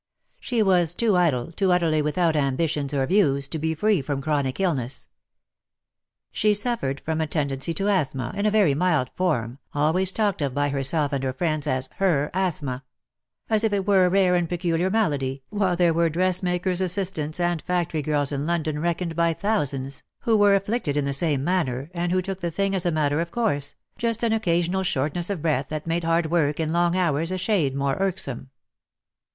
She was too idle, too utterly without ambitions or views, to be free from chronic illness. She suffered from a ten dency to asthma, in a very mild form, always talked of by herself and her friends as her asthma; as if it were a rare and peculiar malady, while there were dressmakers' assistants and factory girls in London reckoned by thousands, who were afflicted in the same manner, and who took the thing as a matter of course, just an occasional shortness of breath that made hard work and long hours a shade more irksome.